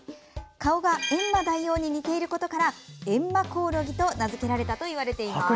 顔が、エンマ大王に似ていることからエンマコオロギと名付けられたといわれています。